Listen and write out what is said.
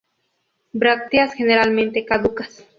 Brácteas generalmente caducas.